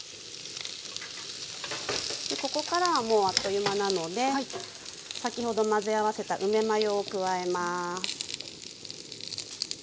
ここからはもうあっという間なので先ほど混ぜ合わせた梅マヨを加えます。